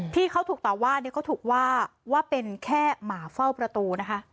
ที่เขาถูกต่อว่าเนี่ยเขาถูกว่าว่าเป็นแค่หมาเฝ้าประตูนะคะ